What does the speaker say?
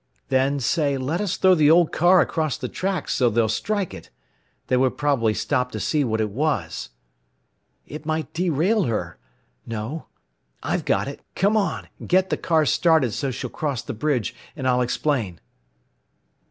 "Then, say, let us throw the old car across the tracks, so they'll strike it. They would probably stop to see what it was." "It might derail her. No. I've got it. Come on, and get the car started so she'll cross the bridge, and I'll explain."